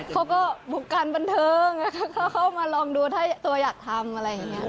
เขาก็บุกการบันเทิงเขาเข้ามาลองดูถ้าตัวอยากทำอะไรอย่างนี้